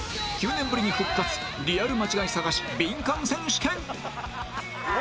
９年ぶりに復活リアル間違い探しビンカン選手権！